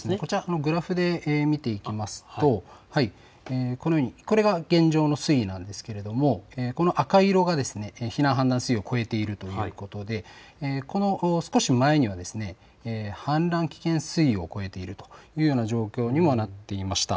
グラフで見ていきますとこれが現状の水位なんですけれどこの赤色が避難判断水位を超えているということで少し前には氾濫危険水位を超えているというような状況にもなっていました。